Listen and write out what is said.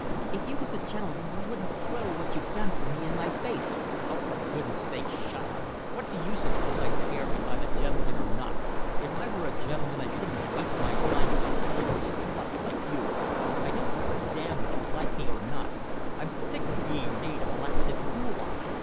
"If you was a gentleman you wouldn't throw what you've done for me in my face." "Oh, for goodness' sake, shut up. What d'you suppose I care if I'm a gentleman or not? If I were a gentleman I shouldn't waste my time with a vulgar slut like you. I don't care a damn if you like me or not. I'm sick of being made a blasted fool of.